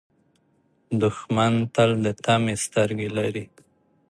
دښمن تل د طمعې سترګې لري